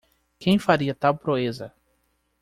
Quem faria tal proeza